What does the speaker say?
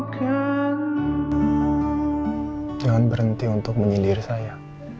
jangan berhenti untuk menyindir saya